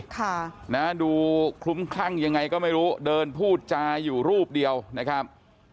ค่ะนะดูคลุ้มคลั่งยังไงก็ไม่รู้เดินพูดจาอยู่รูปเดียวนะครับ